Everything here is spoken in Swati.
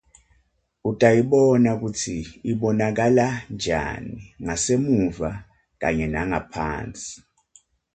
Utayibona kutsi ibonakala njani ngasemuva kanye nangaphasi.